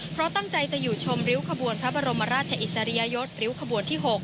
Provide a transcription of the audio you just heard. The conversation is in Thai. เพราะตั้งใจจะอยู่ชมริ้วขบวนพระบรมราชอิสริยยศริ้วขบวนที่๖